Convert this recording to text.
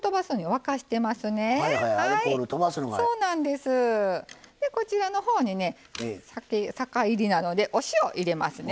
でこちらの方にね酒いりなのでお塩入れますね。